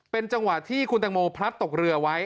เป็นจังหวะที่คุณตังโมพลัดตกเรือไว้